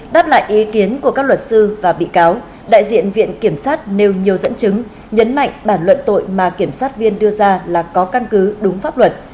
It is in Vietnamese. đáp lại ý kiến của các luật sư và bị cáo đại diện viện kiểm sát nêu nhiều dẫn chứng nhấn mạnh bản luận tội mà kiểm sát viên đưa ra là có căn cứ đúng pháp luật